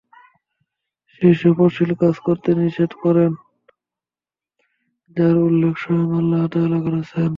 সেইসব অশ্লীল কাজ করতে নিষেধ করেন যার উল্লেখ স্বয়ং আল্লাহ তাআলা করেছেন।